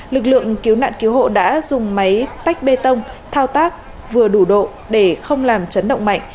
lực lượng cứu nạn cứu hộ đã dùng máy tách bê tông thao tác vừa đủ độ để không làm chấn động mạnh